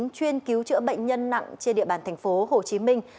chuyên cứu chữa bệnh nhân nặng trên địa bàn thành phố hồ chí minh